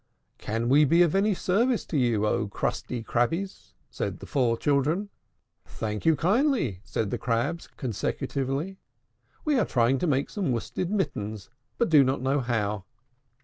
"Can we be of any service to you, O crusty Crabbies?" said the four children. "Thank you kindly," said the Crabs consecutively. "We are trying to make some worsted mittens, but do not know how."